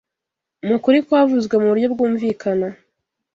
Mu kuri kwavuzwe mu buryo bwumvikana